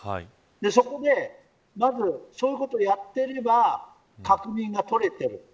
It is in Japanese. そこでそういうことをやっていれば確認が取れている。